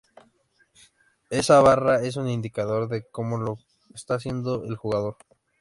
Esa barra es un indicador de cómo lo está haciendo el jugador.